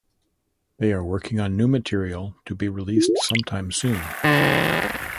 They are working on new material to be released sometime soon.